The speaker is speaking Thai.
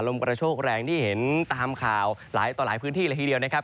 กระโชคแรงที่เห็นตามข่าวหลายต่อหลายพื้นที่เลยทีเดียวนะครับ